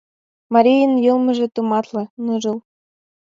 Марийын йылмыже тыматле, ныжыл.